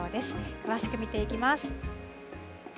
詳しく見ていきます。